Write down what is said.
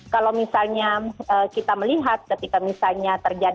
kalau misalnya kita melihat ketika misalnya terjadi